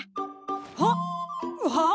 はっ！はあ！？